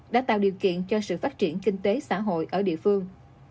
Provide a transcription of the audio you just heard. đã tạo điều kiện cho sự phát triển kinh tế xã hội ở địa phương